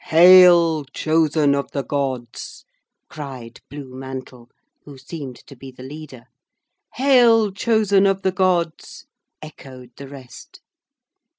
'Hail! Chosen of the Gods,' cried Blue Mantle, who seemed to be the leader. 'Hail, Chosen of the Gods!' echoed the rest.